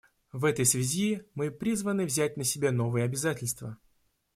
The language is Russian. В этой связи мы призваны взять на себя новые обязательства.